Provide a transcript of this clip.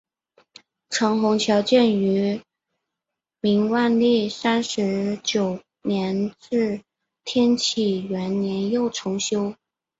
长虹桥建于明万历三十九年至天启元年又重修。